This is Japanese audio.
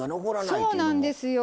そうなんですよ。